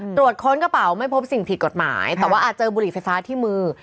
ค้นกระเป๋าไม่พบสิ่งผิดกฎหมายแต่ว่าอาจเจอบุหรี่ไฟฟ้าที่มือ